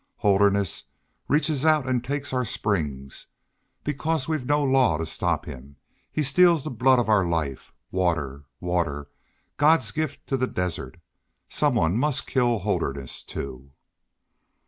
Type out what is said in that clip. Holderness reaches out and takes our springs. Because we've no law to stop him, he steals the blood of our life water water God's gift to the desert! Some one must kill Holderness, too!"